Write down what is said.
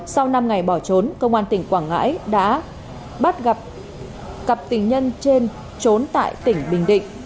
sau năm ngày bỏ trốn công an tỉnh quảng ngãi đã bắt gặp cặp tình nhân trên trốn tại tỉnh bình định